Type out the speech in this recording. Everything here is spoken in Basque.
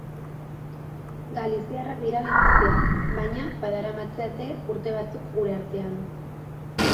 Galiziarrak dira bi gazteak, baina badaramatzate urte batzuk gure artean.